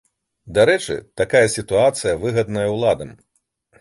Дарэчы, такая сітуацыя выгадная ўладам.